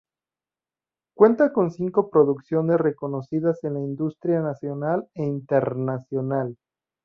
Cuenta con cinco producciones reconocidas en la industria nacional e internacional.